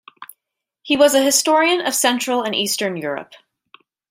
He was a historian of Central and Eastern Europe.